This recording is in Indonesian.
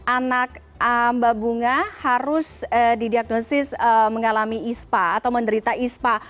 anak mbak bunga harus didiagnosis mengalami ispa atau menderita ispa